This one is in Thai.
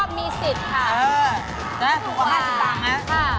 ถูกกว่า๕๓นะ